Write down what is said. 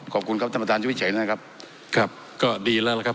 ขอบคุณครับท่านประธานที่วิจัยนะครับครับก็ดีแล้วล่ะครับ